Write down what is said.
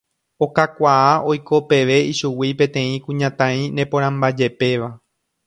okakuaa oiko peve ichugui peteĩ kuñataĩ neporãmbajepéva